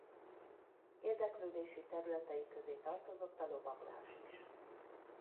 Érdeklődési területei közé tartozott a lovaglás is.